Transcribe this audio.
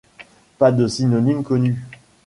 Pas de synonyme connu.